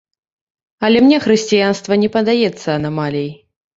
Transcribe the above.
Але мне хрысціянства не падаецца анамаліяй.